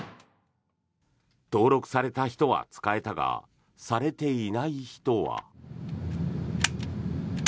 登録された人は使えたがされていない人は。